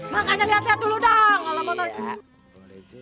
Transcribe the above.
makanya liat liat dulu dong kalo botol